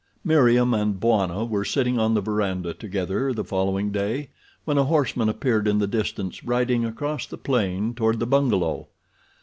Meriem and Bwana were sitting on the verandah together the following day when a horseman appeared in the distance riding across the plain toward the bungalow.